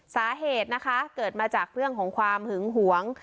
สาเหตุนะคะเกิดมาจากเรื่องของความหึงหวง